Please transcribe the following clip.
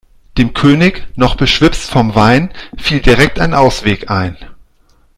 Dem König, noch beschwipst vom Wein, fiel direkt ein Ausweg ein.